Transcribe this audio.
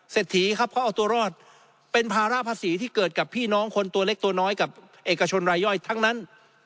ถีครับเขาเอาตัวรอดเป็นภาระภาษีที่เกิดกับพี่น้องคนตัวเล็กตัวน้อยกับเอกชนรายย่อยทั้งนั้น